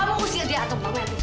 tolong kita pergi